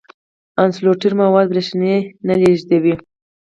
انسولټر مواد برېښنا نه لیږدوي.